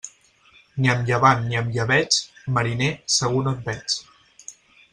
Ni amb llevant ni amb llebeig, mariner, segur no et veig.